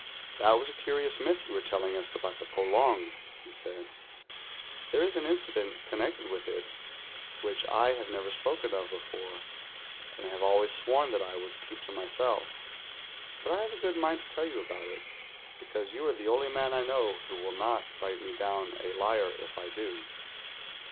"That was a curious myth you were telling us about the polong,'''' he said. "There is an incident connected with it which I have never s})oken of before, and have always sworn that T would keep to THE GHOUL 117 myself; but I have a good mind to tell you about it, because you are the only man I know who will not write me down a liar if I do."